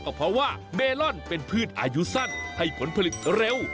ก็เพราะว่าเมลอนเป็นพืชอายุสั้นให้ผลผลิตเร็ว